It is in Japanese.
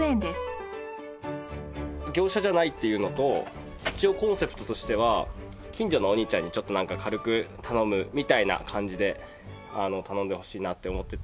業者じゃないっていうのと一応コンセプトとしては近所のお兄ちゃんにちょっとなんか軽く頼むみたいな感じで頼んでほしいなって思ってて。